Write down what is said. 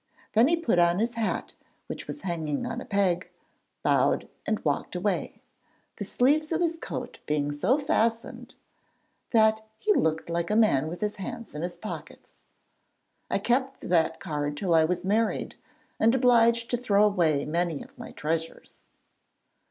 Then he put on his hat which was hanging on a peg, bowed and walked away, the sleeves of his coat being so fastened that he looked like a man with his hands in his pockets. I kept that card till I was married, and obliged to throw away many of my treasures.